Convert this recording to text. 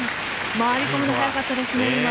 回り込むのが速かったですね。